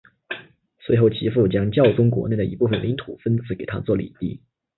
随后其父将教宗国内的一部份领土分赐给他做领地。